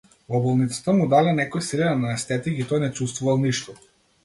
Во болницата му дале некој силен анестетик и тој не чувствувал ништо.